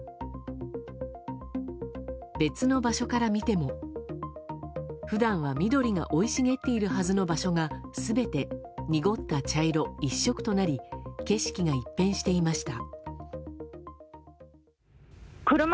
別の場所から見ても普段は緑が生い茂っているはずの場所が全て濁った茶色一色となり景色が一変していました。